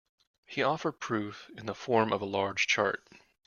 He offered proof in the form of a large chart.